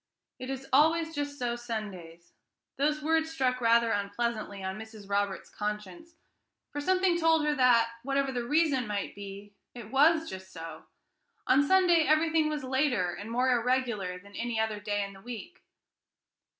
"It is always just so Sundays." These words struck rather unpleasantly on Mrs. Roberts's conscience, for something told her that, whatever the reason might be, it was just so. On Sunday everything was later and more irregular than any other day in the week.